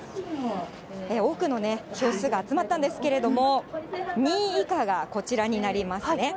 多くの票数が集まったんですけれども、２位以下がこちらになりますね。